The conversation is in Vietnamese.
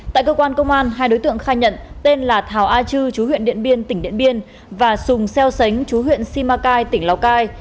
tại cơ quan công an hai đối tượng khai nhận tên là thảo a chư chú huyện điện biên tỉnh điện biên và sùng xeo xánh chú huyện simacai tỉnh lào cai